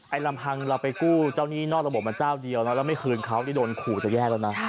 ลำพังเราไปกู้เจ้าหนี้นอกระบบมาเจ้าเดียวแล้วเราไม่คืนเขานี่โดนขู่จะแยกแล้วนะ